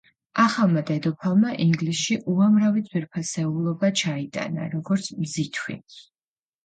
ახალმა დედოფალმა ინგლისში უამრავი ძვირფასეულობა ჩაიტანა, როგორც მზითვი.